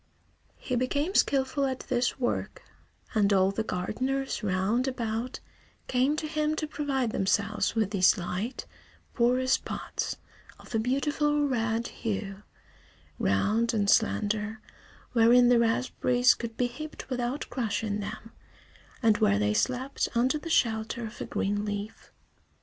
He became skilful at this work, and all the gardeners round about came to him to provide themselves with these light, porous pots, of a beautiful red hue, round and slender, wherein the raspberries could be heaped without crushing them, and where they slept under the shelter of a green leaf.